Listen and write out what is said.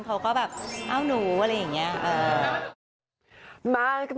เขาก็แบบเอ้าหนูอะไรอย่างนี้